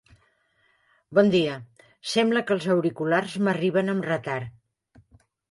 Bon dia, sembla que els auriculars m'arriben amb retard.